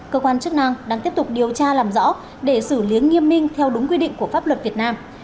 cơ quan chức năng đang tiếp tục điều tra làm rõ để xử lý nghiêm minh theo đúng quy định của pháp luật việt nam